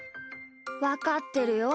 わかってるよ。